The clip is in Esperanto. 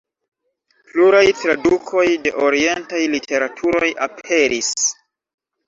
Pluraj tradukoj de orientaj literaturoj aperis.